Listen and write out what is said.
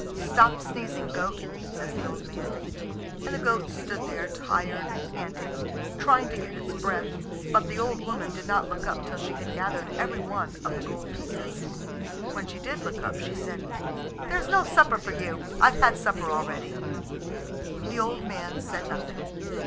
"Stop sneezing, goat," says the old man; and the goat stood there tired and panting, trying to get its breath. But the old woman did not look up till she had gathered everyone of the gold pieces. When she did look up, she said, "There's no supper for you. I've had supper already." The old man said nothing.